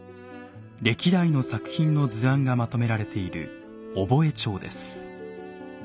歴代の作品の図案がまとめられている憶帳です。